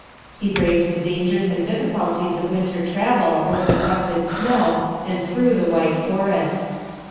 He braved the dangers and difficulties of winter travel over the crusted snow and through the white forests.